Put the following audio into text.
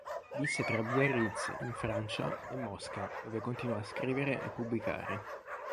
Visse tra Biarritz, in Francia, e Mosca, dove continuò a scrivere e pubblicare.